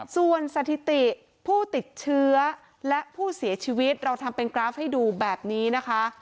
ส่วนสถิติผู้ติดเชื้อและผู้เสียชีวิตเราทำเป็นกราฟให้ดูแบบนี้นะคะ